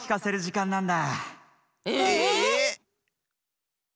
え？